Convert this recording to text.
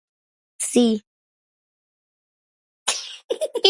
Sí...